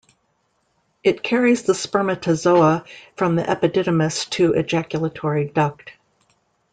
It carries the spermatozoa from the epididymis to ejaculatory duct.